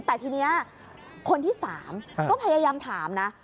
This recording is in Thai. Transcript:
แต่ทีนี้คนที่๓ก็พยายามถามนะ